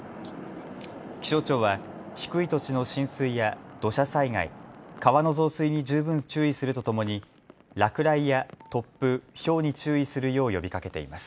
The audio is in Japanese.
気象庁は低い土地の浸水や土砂災害、川の増水に十分注意するとともに落雷や突風、ひょうに注意するよう呼びかけています。